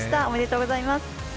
おめでとうございます。